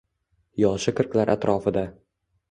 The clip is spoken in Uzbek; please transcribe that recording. Yoshi qirqlar atrofida